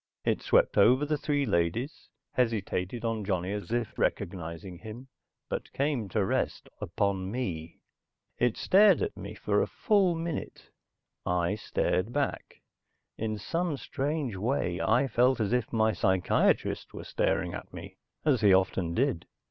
It swept over the three ladies, hesitated on Johnny as if recognizing him, but came to rest upon me. It stared at me for a full minute. I stared back. In some strange way I felt as if my psychiatrist were staring at me, as he often did.